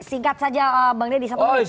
singkat saja bang deddy